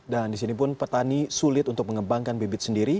dan di sini pun petani sulit untuk mengembangkan bibit sendiri